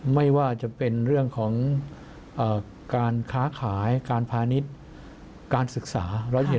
ไม่ว่าจะเป็นเรื่องของการค้าขายการพาณิชย์การศึกษา